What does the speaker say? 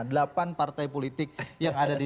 delapan partai politik yang ada di